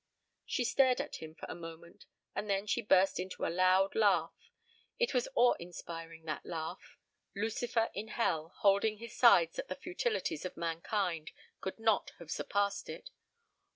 She stared at him for a moment, and then she burst into a loud laugh. It was awe inspiring, that laugh. Lucifer in hell, holding his sides at the futilities of mankind, could not have surpassed it.